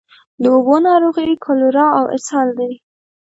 د اوبو ناروغۍ کالرا او اسهال دي.